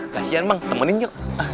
kasian bang temenin yuk